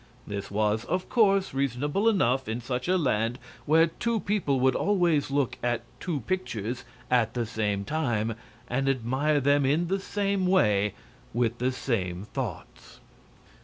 This, was, of course, reasonable enough in such a land, where two people would always look at two pictures at the same time and admire them in the same way with the same thoughts.